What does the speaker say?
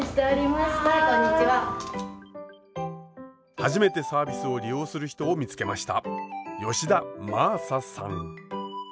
初めてサービスを利用する人を見つけました！